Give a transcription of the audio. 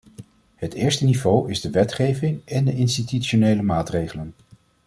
Het eerste niveau is de wetgeving en de institutionele maatregelen.